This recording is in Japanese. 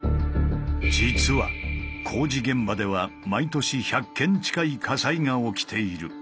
実は工事現場では毎年１００件近い火災が起きている。